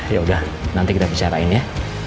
yaudah nanti kita bicarain ya